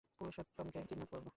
পুরুষোত্তমকে kidnap করবো।